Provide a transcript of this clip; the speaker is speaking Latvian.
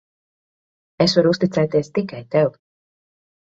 Es varu uzticēties tikai tev.